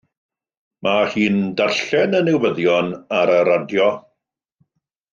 Mae hi'n darllen y newyddion ar y radio.